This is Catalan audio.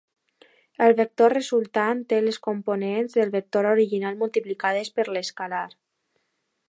El vector resultant té les components del vector original multiplicades per l'escalar.